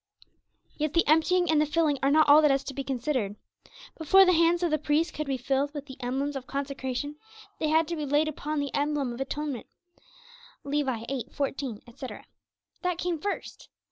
Yet the emptying and the filling are not all that has to be considered. Before the hands of the priests could be filled with the emblems of consecration, they had to be laid upon the emblem of atonement (Lev. viii. 14, etc.). That came first.